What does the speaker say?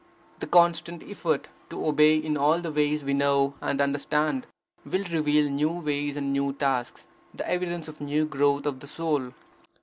The constant effort to obey in all the ways we know and understand, will reveal new ways and new tasks, the evidence of new growth of the Soul.